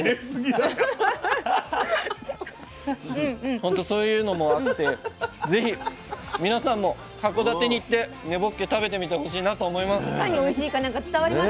ほんとそういうのもあってぜひ皆さんも函館に行って根ぼっけ食べてみてほしいなと思います。